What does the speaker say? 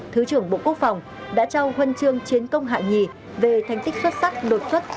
thứ trưởng bộ quốc phòng đã trao huân chương chiến công hạ nhì về thành tích xuất sắc đột xuất